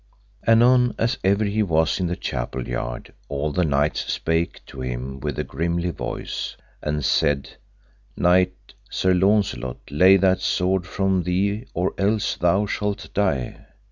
Anon as ever he was in the chapel yard all the knights spake to him with a grimly voice, and said, Knight, Sir Launcelot, lay that sword from thee or else thou shalt die.